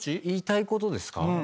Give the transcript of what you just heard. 言いたいことですか？